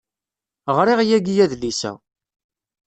Ɣriɣ yagi adlis-a.